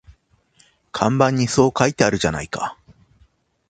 看板にそう書いてあるじゃないか